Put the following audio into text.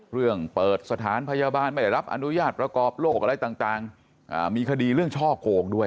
เรื่องเปิดสถานพยาบาลไม่ได้รับอนุญาตประกอบโรคอะไรต่างมีคดีเรื่องช่อโกงด้วย